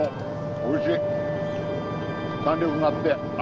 おいしい！